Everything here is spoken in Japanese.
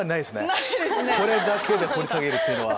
これだけで掘り下げるというのは。